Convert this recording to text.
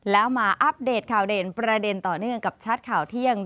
แล้วมาอัปเดตข่าวเด่นประเด็นต่อเนื่องกับชัดข่าวเที่ยง